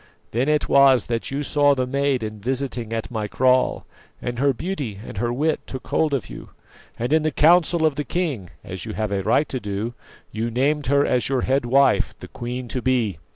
Then it was that you saw the maid in visiting at my kraal, and her beauty and her wit took hold of you; and in the council of the king, as you have a right to do, you named her as your head wife, the queen to be.